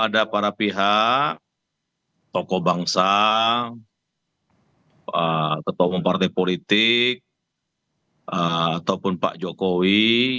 tentu saja tokoh bangsa ketua mempartai politik ataupun pak jokowi